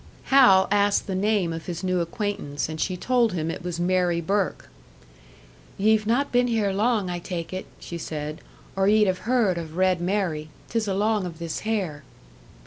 Hal asked the name of his new acquaintance, and she told him it was Mary Burke. "Ye've not been here long, I take it," she said, "or ye'd have heard of 'Red Mary.' 'Tis along of this hair."